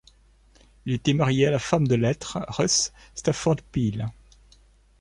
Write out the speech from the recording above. Il était marié à la femme de lettres Ruth Stafford Peale.